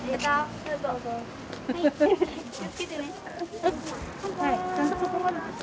・ありがとうございます。